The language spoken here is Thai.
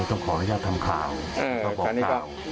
ต้องขอให้จะทำข่าวอืมคราวนี้ก็